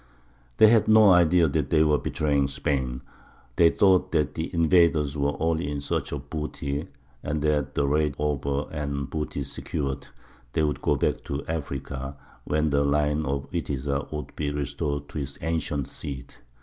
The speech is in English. They had no idea that they were betraying Spain. They thought that the invaders were only in search of booty; and that, the raid over and the booty secured, they would go back to Africa, when the line of Witiza would be restored to its ancient seat.